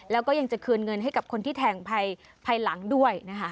แล้วก็ยังจะคืนเงินให้กับคนที่แทงภายหลังด้วยนะคะ